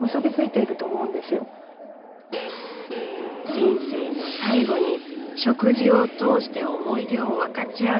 人生の最後に食事を通して思い出をわかちあう。